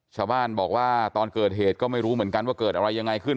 ชาวบ้านบอกว่าตอนเกิดเหตุก็ไม่รู้เหมือนกันว่าเกิดอะไรยังไงขึ้น